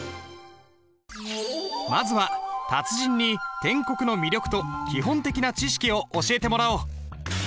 まずは達人に篆刻の魅力と基本的な知識を教えてもらおう。